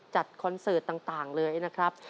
คอนเสิร์ตต่างเลยนะครับ